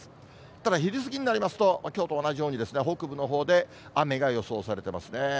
ただ、昼過ぎになりますと、きょうと同じように北部のほうで雨が予想されてますね。